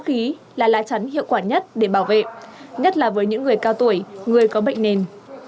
khí là lá chắn hiệu quả nhất để bảo vệ nhất là với những người cao tuổi người có bệnh nền